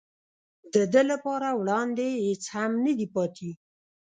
د ده لپاره وړاندې هېڅ هم نه دي پاتې.